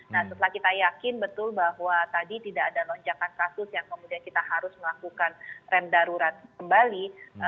nah setelah kita yakin betul bahwa tadi tidak ada lonjakan kasus yang kemudian kita harus melakukan rem darurat kembali